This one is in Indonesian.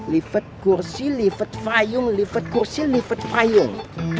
lihat kursi lihat fayung lihat kursi lihat fayung